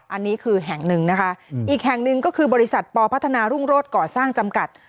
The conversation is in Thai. อันนี้คือแห่งหนึ่งนะคะอีกแห่งหนึ่งก็คือบริษัทปพัฒนารุ่งโรศก่อสร้างจำกัด